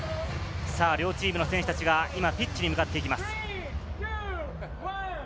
両チームの選手たちが今、ピッチに向かっていきます。